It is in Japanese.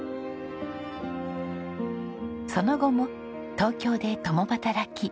その後も東京で共働き。